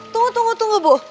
tunggu tunggu tunggu bu